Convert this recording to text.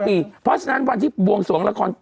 เพราะฉะนั้นวันที่บวงสวงละคร